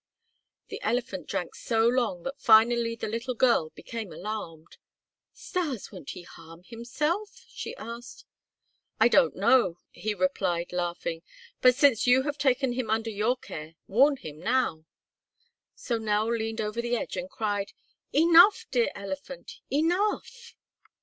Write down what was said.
The elephant drank so long that finally the little girl became alarmed. "Stas, won't he harm himself?" she asked. "I don't know," he replied, laughing, "but since you have taken him under your care, warn him now." So Nell leaned over the edge and cried: "Enough, dear elephant, enough!"